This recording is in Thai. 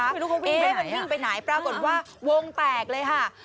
มันวิ่งไปไหนปรากฏว่าวงแตกเลยค่ะ